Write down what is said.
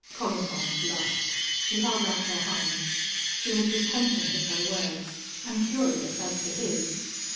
Columbine blushed. She held out her hands. She was repentant of her words and curious as to his.